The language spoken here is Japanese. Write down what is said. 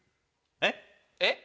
えっ？えっ？